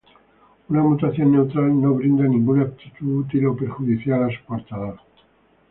Una mutación neutral no brinda ninguna Aptitud útil o perjudicial a su portador.